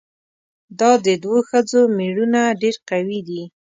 دا د دوو ښځو ميړونه ډېر قوي دي؟